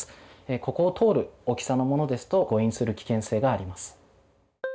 ここを通る大きさのものですと誤飲する危険性があります。